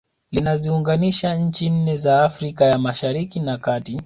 Linaziunganisha nchi nne za Afrika ya Mashariki na Kati